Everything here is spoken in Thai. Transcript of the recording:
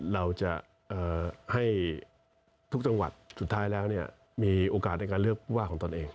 เราจะให้ทุกจังหวัดสุดท้ายแล้วมีโอกาสในการเลือกว่าของตนเอง